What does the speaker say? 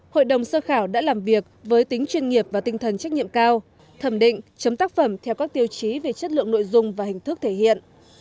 hội đồng sơ khảo đã làm việc với tính chuyên nghiệp và tinh thần trách nhiệm cao thẩm định chấm tác phẩm theo các tiêu chí về chất lượng nội dung và hình thức thể hiện